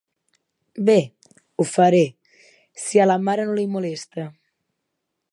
Bé, ho faré, si a la mare no li molesta.